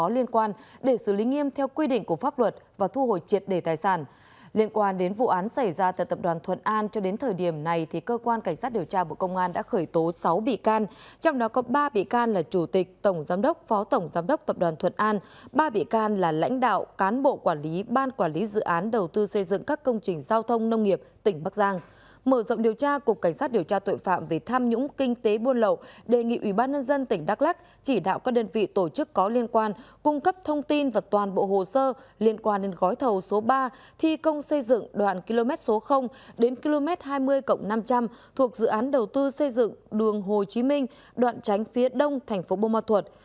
liên quan đến gói thầu số ba thi công xây dựng đoạn km số đến km hai mươi cộng năm trăm linh thuộc dự án đầu tư xây dựng đường hồ chí minh đoạn tránh phía đông thành phố bô ma thuật